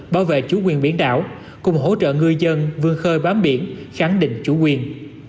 bảo vệ chủ quyền biển đảo cùng hỗ trợ người dân vương khơi bám biển kháng định chủ quyền